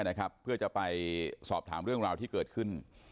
ตอนนี้กำลังจะโดดเนี่ยตอนนี้กำลังจะโดดเนี่ย